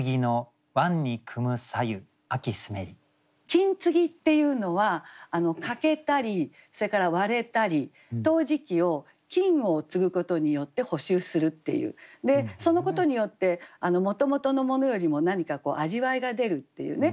「金継ぎ」っていうのは欠けたりそれから割れたり陶磁器を金を継ぐことによって補修するっていうそのことによってもともとの物よりも何かこう味わいが出るっていうね